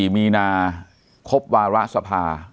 ๔มีนาครบวาระสภา